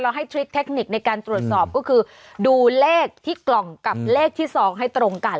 ให้ทริคเทคนิคในการตรวจสอบก็คือดูเลขที่กล่องกับเลขที่๒ให้ตรงกัน